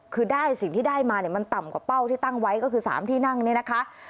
คือได้สิ่งที่ได้มาเนี่ยมันต่ำกว่าเป้าที่ตั้งไว้ก็คือ๓ที่นั่งเนี่ยนะคะ